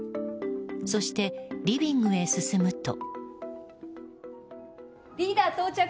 そして、リビングへ進むと。